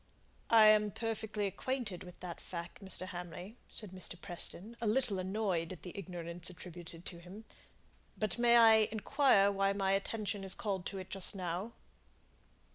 "I am perfectly acquainted with that fact, Mr. Hamley," said Mr. Preston, a little annoyed at the ignorance attributed to him. "But may I inquire why my attention is called to it just now?"